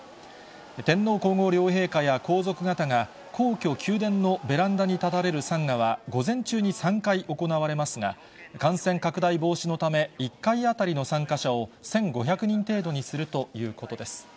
天皇皇后両陛下や皇族方が、皇居・宮殿のベランダに立たれる参賀は、午前中に３回行われますが、感染拡大防止のため、１回当たりの参加者を１５００人程度にするということです。